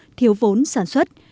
ông vốn sản xuất